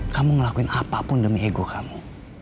kamu ngelakuin apapun demi ego kamu